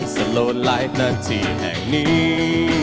สโลดไลฟ์นาทีแห่งนี้